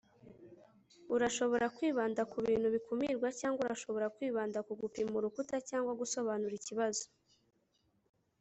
urashobora kwibanda ku bintu bikumirwa cyangwa urashobora kwibanda ku gupima urukuta cyangwa gusobanura ikibazo